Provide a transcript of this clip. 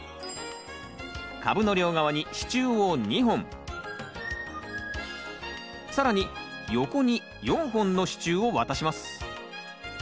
株の両側に支柱を２本更に横に４本の支柱をわたします。